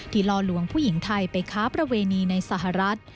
ล่อลวงผู้หญิงไทยไปค้าประเวณีในสหรัฐ